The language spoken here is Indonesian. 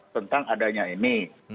tentang adanya ini